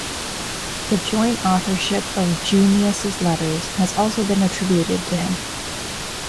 The joint authorship of "Junius's Letters" has also been attributed to him.